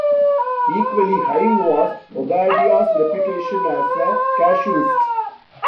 Equally high was Obadiah's reputation as a casuist.